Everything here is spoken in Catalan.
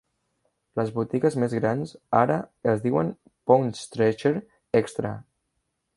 Les botigues més grans ara es diuen Poundstretcher Extra.